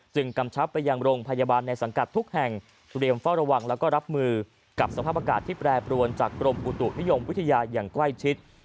กำชับไปยังโรงพยาบาลในสังกัดทุกแห่งเตรียมเฝ้าระวังแล้วก็รับมือกับสภาพอากาศที่แปรปรวนจากกรมอุตุนิยมวิทยาอย่างใกล้ชิด